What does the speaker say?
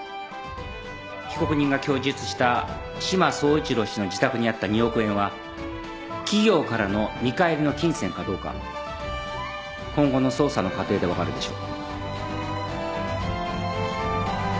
被告人が供述した志摩総一郎氏の自宅にあった２億円は企業からの見返りの金銭かどうか今後の捜査の過程で分かるでしょう。